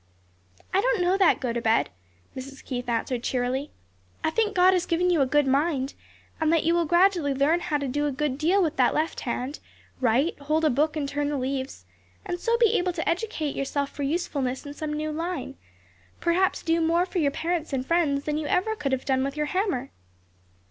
"I don't know that, Gotobed," Mrs. Keith answered cheerily; "I think God has given you a good mind, and that you will gradually learn to do a great deal with that left hand; write, hold a book and turn the leaves, and so be able to educate yourself for usefulness in some new line; perhaps do more for your parents and friends than you ever could have done with your hammer."